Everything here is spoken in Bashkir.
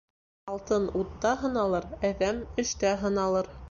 Алтын утта һыналыр, әҙәм эштә һыналыр.